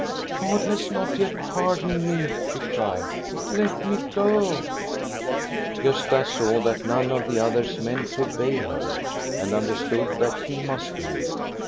" God has not yet pardoned me," she cried. " Let me go !" Gosta saw that none of the others meant to obey her, and understood that he must do it.